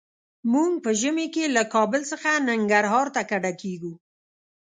موږ په ژمي کې له کابل څخه ننګرهار ته کډه کيږو.